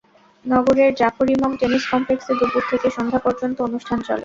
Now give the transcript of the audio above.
নগরের জাফর ইমাম টেনিস কমপ্লেক্সে দুপুর থেকে সন্ধ্যা পর্যন্ত অনুষ্ঠান চলে।